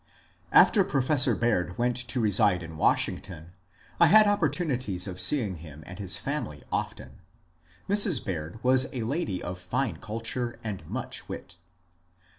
After Professor Baird went to reside in Washington I had opportunities of seeing him and his family often. Mrs. Baird was a lady of fine culture and much wit.